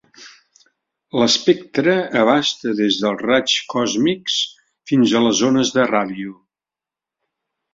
L'espectre abasta des dels raigs còsmics fins a les ones de ràdio.